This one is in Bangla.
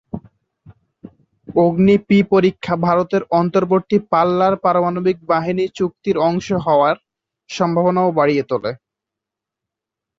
অগ্নি-পি পরীক্ষা ভারতের অন্তর্বর্তী-পাল্লার পারমাণবিক বাহিনী চুক্তির অংশ হওয়ার সম্ভাবনাও বাড়িয়ে তোলে।